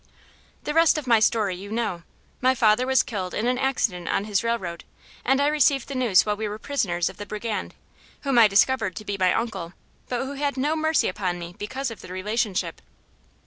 "The rest of my story you know. My father was killed in an accident on his own railroad, and I received the news while we were prisoners of the brigand, whom I discovered to be my uncle, but who had no mercy upon me because of the relationship.